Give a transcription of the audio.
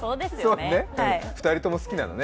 ２人とも好きなんだね。